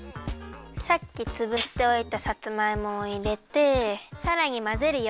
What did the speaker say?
さっきつぶしておいたさつまいもをいれてさらにまぜるよ。